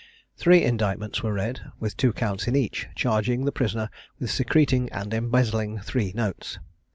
Three indictments were read, with two counts in each, charging the prisoner with secreting and embezzling three notes.